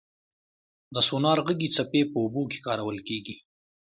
د سونار غږي څپې په اوبو کې کارول کېږي.